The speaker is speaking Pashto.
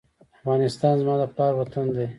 افغانستان زما د پلار وطن دی؟